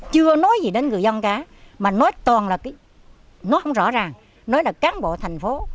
chưa nói gì đến người dân cả mà nói toàn là nói không rõ ràng nói là cán bộ thành phố